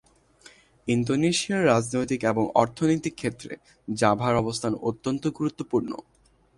ইন্দোনেশিয়ার রাজনৈতিক এবং অর্থনৈতিক ক্ষেত্রে জাভার অবস্থান অত্যন্ত গুরুত্বপূর্ণ।